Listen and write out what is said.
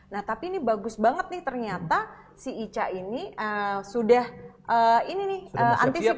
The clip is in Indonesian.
nah tapi ini bagus banget nih ternyata si ica ini sudah ini nih antisipasi